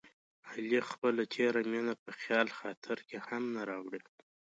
علي خپله تېره مینه په خیال خاطر کې هم نه راوړي.